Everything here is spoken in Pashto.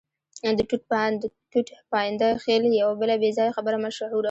د ټوټ پاینده خېل یوه بله بې ځایه خبره مشهوره وه.